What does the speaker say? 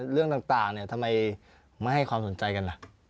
เรื่องต่างทำไมไม่ให้ความสนใจกันล่ะ